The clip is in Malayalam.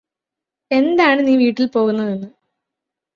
എന്താണ് നീ വീട്ടില് പോകുന്നതെന്ന്